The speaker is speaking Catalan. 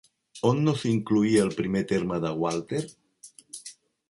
On no s'incloïa el primer terme de Gualter?